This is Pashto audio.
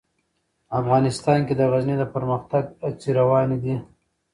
افغانستان کې د غزني د پرمختګ هڅې روانې دي.